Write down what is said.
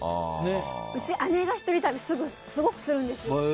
うち、姉が一人旅すごくするんですよ。